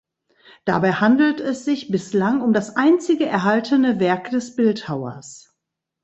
Dabei handelt es sich bislang um das einzige erhaltene Werk des Bildhauers.